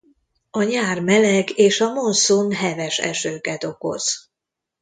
A nyár meleg és a monszun heves esőket okoz.